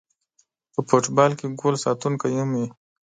په فوټبال کې ګول ساتونکی هم وي